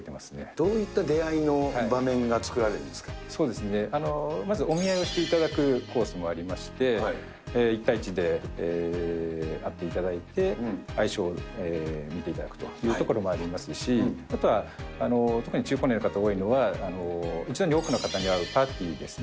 どういった出会いの場面が作まずお見合いをしていただくコースもありまして、１対１で会っていただいて、相性を見ていただくというところもありますし、あとは特に中高年の方、多いのは、一度に多くの方に会うパーティーですね。